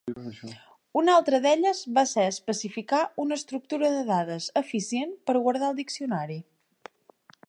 Una altra d'elles va ser especificar una estructura de dades eficient per guardar el diccionari.